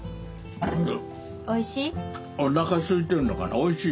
おいしい？